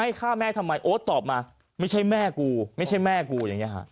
ฆ่าแม่ทำไมโอ๊ตตอบมาไม่ใช่แม่กูไม่ใช่แม่กูอย่างนี้ฮะ